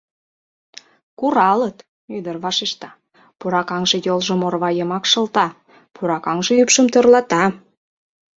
— Куралыт... — ӱдыр вашешта, пуракаҥше йолжым орва йымак шылта, пуракаҥше ӱпшым тӧрлата.